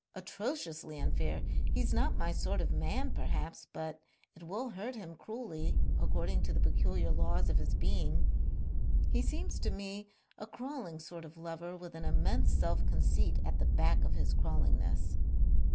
Atrociously unfair. He's not my sort of man, perhaps, but it will hurt him cruelly according to the peculiar laws of his being. He seems to me a crawling sort of lover with an immense self conceit at the back of his crawlingness."